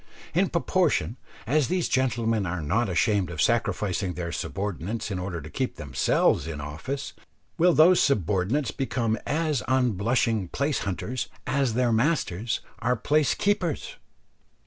In proportion as these gentlemen are not ashamed of sacrificing their subordinates in order to keep themselves in office, will those subordinates become as unblushing place hunters as their masters are place keepers.